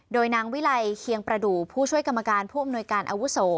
โดยนางวิลัยเคียงประดูกผู้ช่วยกรรมการผู้อำนวยการอาวุโส